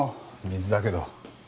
水だけど。